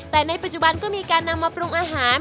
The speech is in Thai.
แต่ในปัจจุบันก็มีการนำมาปรุงอาหาร